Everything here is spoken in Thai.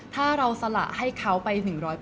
ถ้าเราสละให้เขาไป๑๐๐